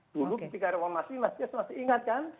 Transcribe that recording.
dulu ketika reformasi masih ingat kan